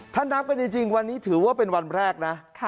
ถ้านับเป็นจริงวันนี้ถือว่าเป็นวันแรกนะ